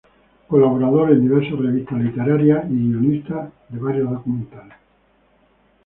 Colaborador en diversas revistas literarias y guionista de varios documentales.